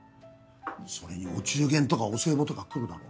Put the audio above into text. それにお中元とかお歳暮とか来るだろ？